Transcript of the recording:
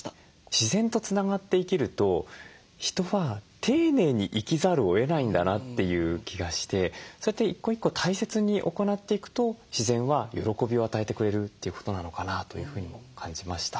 自然とつながって生きると人は丁寧に生きざるをえないんだなという気がしてそうやって一個一個大切に行っていくと自然は喜びを与えてくれるということなのかなというふうにも感じました。